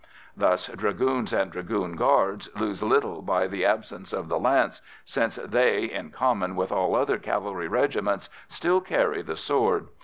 Thus Dragoons and Dragoon Guards lose little by the absence of the lance, since they, in common with all other cavalry regiments, still carry the sword.